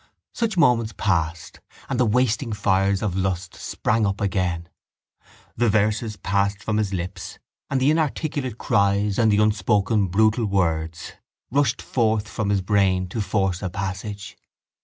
Such moments passed and the wasting fires of lust sprang up again. The verses passed from his lips and the inarticulate cries and the unspoken brutal words rushed forth from his brain to force a passage.